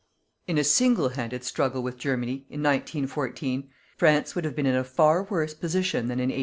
In a single handed struggle with Germany, in 1914, France would have been in a far worse position than in 1870.